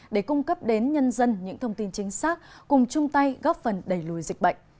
để cung cấp đến nhân dân những thông tin chính xác cùng chung tay góp phần đẩy lùi dịch bệnh